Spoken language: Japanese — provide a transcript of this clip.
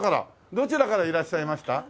どちらからいらっしゃいました？